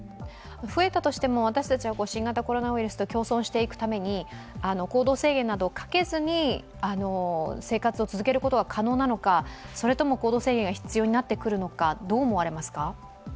増えたとしても、私たちは新型コロナウイルスと共存していくために行動制限などかけずに生活を続けることは可能なのか、それとも行動制限が必要になってくるのか、どう思いますか？